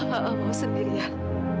ma mau sendirian